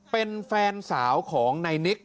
เป็นแฟนสาวของนายนิก